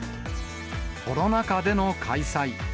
コロナ禍での開催。